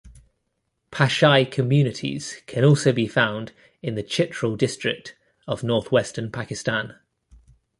Pashai communities can also be found in the Chitral district of northwestern Pakistan.